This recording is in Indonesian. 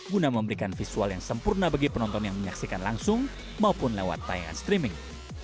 guna memberikan visual yang sempurna bagi penonton yang menyaksikan langsung maupun lewat tayangan streaming